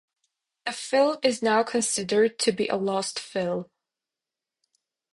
The film is now considered to be a lost film.